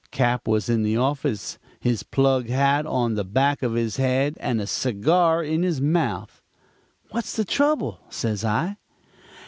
Cap. was in the office, his plug hat on the back of his head and a cigar in his mouth. "'What's the trouble?' says I.